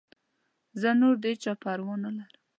زه نور د چا پروا نه لرم.